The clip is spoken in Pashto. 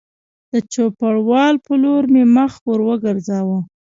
د چوپړوال په لور مې مخ ور وګرځاوه